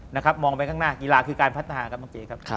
มองไปข้างหน้ากีฬาคือการพัฒนาครับน้องเก๋ครับ